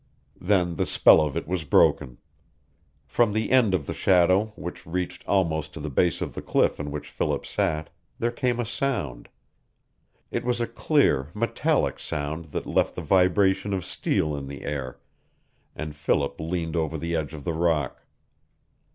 Then the spell of it was broken. From the end of the shadow, which reached almost to the base of the cliff on which Philip sat, there came a sound. It was a clear, metallic sound that left the vibration of steel in the air, and Philip leaned over the edge of the rock.